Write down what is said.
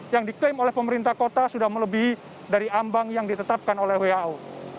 yang diklaim oleh pemerintah kota sudah melebihi dari ambang yang ditetapkan oleh who